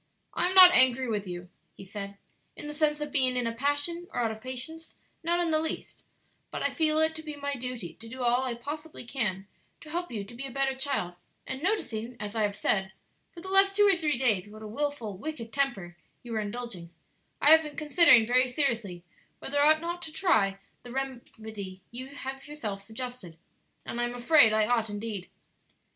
"I am not angry with you," he said, "in the sense of being in a passion or out of patience not in the least; but I feel it to be my duty to do all I possibly can to help you to be a better child, and noticing, as I have said, for the last two or three days what a wilful, wicked temper you were indulging, I have been considering very seriously whether I ought not to try the very remedy you have yourself suggested, and I am afraid I ought indeed.